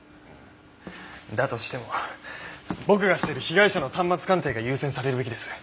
だとしても僕がしている被害者の端末鑑定が優先されるべきです。